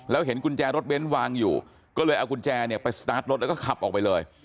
แล้วเห็นกุญแจรถเบ้นวางอยู่ก็เลยเอากุญแจเนี่ยไปสตาร์ทรถแล้วก็ขับออกไปเลย